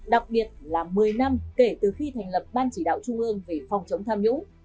đặc biệt là một mươi năm kể từ khi thành lập ban chỉ đạo trung ương về phòng chống tham nhũng